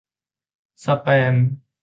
สแปม ?